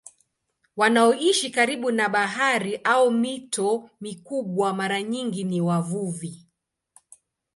Wanaoishi karibu na bahari au mito mikubwa mara nyingi ni wavuvi.